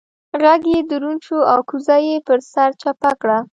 غږ يې دروند شو او کوزه يې پر سر چپه کړه.